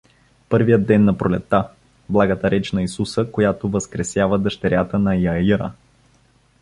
Първият ден на пролетта — благата реч на Исуса, която възкресява дъщерята на Иаира.